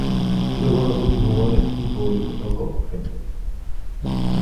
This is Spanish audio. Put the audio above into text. Luego no continuó en el equipo y quedó como agente libre.